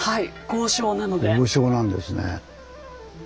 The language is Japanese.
豪商なんですね。